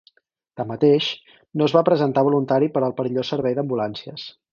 Tanmateix, no es va presentar voluntari per al perillós servei d'ambulàncies.